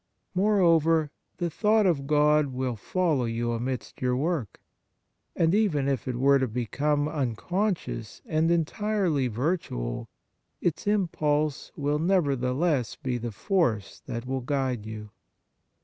Moreover, the thought of God will follow you amidst your work, and even if it were to become unconscious and entirely virtual, its impulse will, nevertheless, be the force that will guide you.